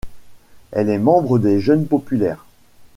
Elle est membre des Jeunes Populaires.